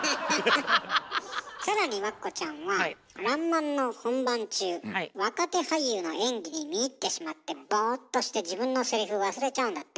さらにわっこちゃんは「らんまん」の本番中若手俳優の演技に見入ってしまってボーっとして自分のセリフ忘れちゃうんだって？